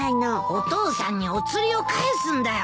お父さんにお釣りを返すんだよ。